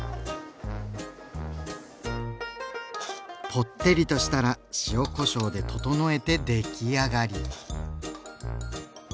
ぽってりとしたら塩・こしょうで調えて出来上がり。